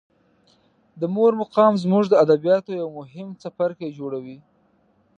د مور مقام زموږ د ادبیاتو یو مهم څپرکی جوړوي.